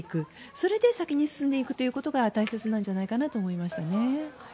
それで先に進んでいくことが大切なのではないかと思いましたね。